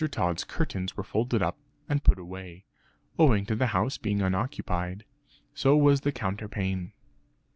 Tod's curtains were folded up, and put away, owing to the house being unoccupied. So was the counterpane.